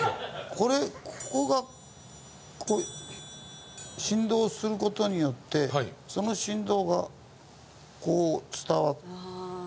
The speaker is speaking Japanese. これここがこう振動する事によってその振動がこう伝わって大きくなる。